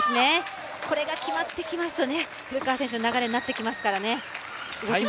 これが決まってきますと古川選手の流れになりますからね。